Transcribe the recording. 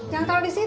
jangan kalau disitu